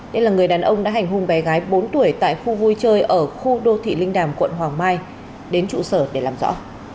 đây là người đàn ông đã hành hung bé gái bốn tuổi tại khu vui chơi ở khu đô thị linh đàm quận hoàng mai đến trụ sở để làm rõ